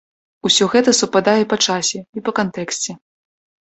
Усё гэта супадае і па часе, і па кантэксце.